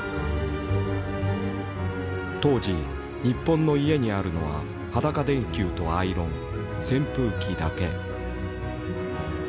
当時日本の家にあるのは裸電球とアイロン扇風機だけ。